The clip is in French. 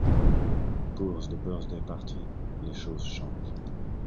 Pour the Birthday Party, les choses changent.